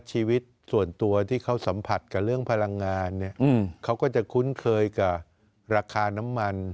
ชีวิตส่วนตัวที่เขาสัมผัสกับเรื่องพลังงานเนี่ยเขาก็จะคุ้นเคยกับราคาน้ำมัน